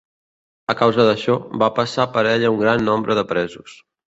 A causa d'això, van passar per ella un gran nombre de presos.